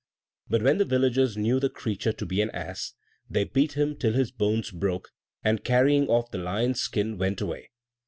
But when the villagers knew the creature to be an ass, they beat him till his bones broke; and, carrying off the lion's skin, went away.